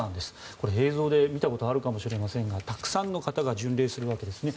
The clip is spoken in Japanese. これ、映像で見たことあるかもしれませんがたくさんの方が巡礼するわけですね。